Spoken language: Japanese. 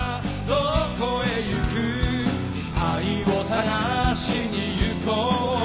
「どこへ行く」「愛を探しに行こう」